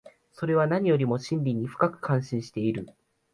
それは何よりも真理に深く関心している。